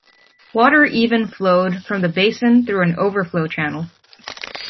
Water even flowed from the basin through an overflow channel.